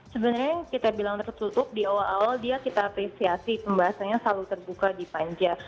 sebenarnya yang kita bilang tertutup di awal awal dia kita apresiasi pembahasannya selalu terbuka di panja